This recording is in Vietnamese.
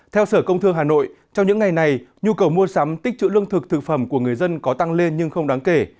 theo sở công thương hà nội trong những ngày này nhu cầu mua sắm tích trữ lương thực thực phẩm của người dân có tăng lên nhưng không đáng kể